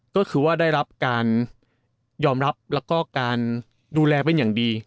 ก็คือว่าได้รับการยอมรับแล้วก็การดูแลเป็นอย่างดี